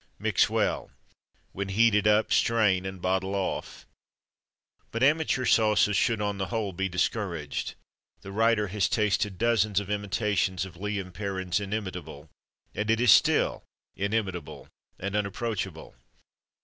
Mix well. When heated up, strain and bottle off. But amateur sauces should, on the whole, be discouraged. The writer has tasted dozens of imitations of Lea and Perrins's "inimitable," and it is still inimitable, and unapproachable.